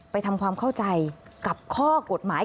ทำความเข้าใจกับข้อกฎหมาย